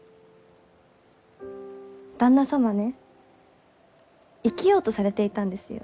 旦那様ね生きようとされていたんですよ。